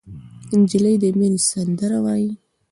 نجلۍ د مینې سندره وایي.